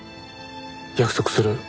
約束する。